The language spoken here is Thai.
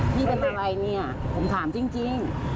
พี่เป็นอะไรเนี่ยผมถามจริง